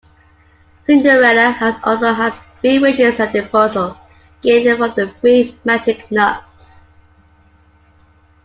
Cinderella also has three wishes at her disposal, gained from three magic nuts.